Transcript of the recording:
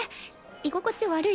居心地悪い？